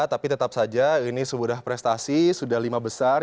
tapi tetap saja ini sudah prestasi sudah lima besar